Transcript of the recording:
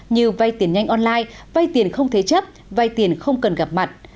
như vay tiền nhanh online vay tiền không thế chấp vay tiền không cần gặp mặt